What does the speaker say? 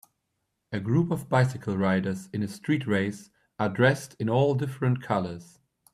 A group of bicycle riders in a street race are dressed in all different colors.